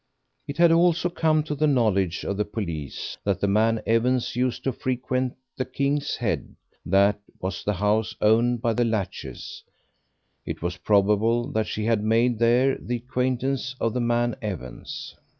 It had also come to the knowledge of the police that the man Evans used to frequent the "King's Head," that was the house owned by the Latches; it was probable that she had made there the acquaintance of the man Evans.